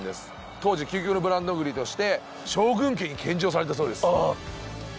当時究極のブランド栗として将軍家に献上されたそうですああ！